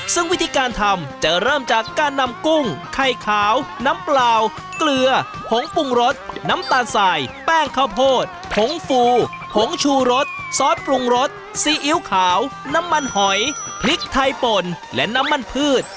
ซึ่งวิธีการทำจะเริ่มจากการนำกุ้งไข่ขาวน้ำเปล่าเกลือผงปรุงรสน้ำตาลสายแป้งข้าวโพดผงฟูผงชูรสซอสปรุงรสซีอิ๊วขาวน้ำมันหอยพริกไทยป่นและน้ำมันพืช